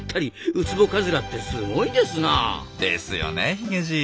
ウツボカズラってすごいですな。ですよねヒゲじい。